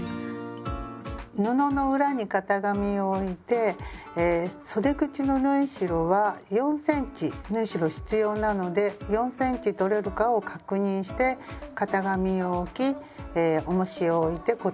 布の裏に型紙を置いてそで口の縫い代は４ｃｍ縫い代必要なので４ｃｍとれるかを確認して型紙を置きおもしを置いて固定させます。